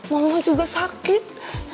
mama juga sakit